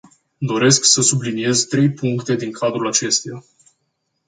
Doresc să subliniez trei puncte din cadrul acesteia.